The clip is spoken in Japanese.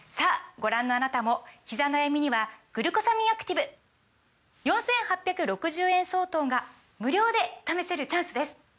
ご覧のあなたもひざ悩みには「グルコサミンアクティブ」４，８６０円相当が無料で試せるチャンスです！